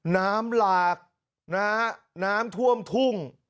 น้ำหลากน้ำท่วมทุ่ง